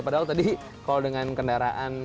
padahal tadi kalau dengan kendaraan roda dua